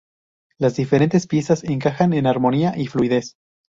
Las diferentes piezas encajan en armonía y fluidez.